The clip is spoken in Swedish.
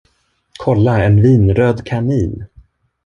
Kolla en vinröd kanin.